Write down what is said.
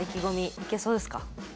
いけそうですか？